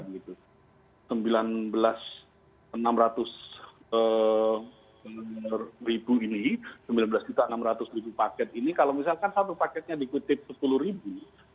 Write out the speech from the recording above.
sembilan belas enam ratus sembilan belas enam ratus paket ini kalau misalkan satu paketnya dikutip sepuluh ribu